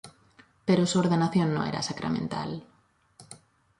Pero su ordenación no era sacramental.